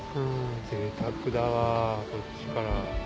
ぜいたくだわこっちから。